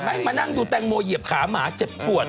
ให้มานั่งดูแตงโมเหยียบขาหมาเจ็บปวด